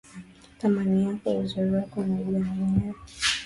Thamani yako, uzuri wako, naujua mwenyewe.